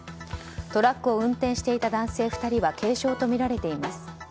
トラックを運転していた男性２人は軽傷とみられています。